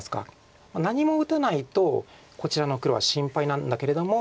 何も打たないとこちらの黒は心配なんだけれども。